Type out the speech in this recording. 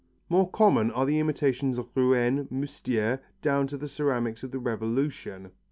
More common are the imitations of Rouen, Moustiers, down to the ceramics of the Revolution.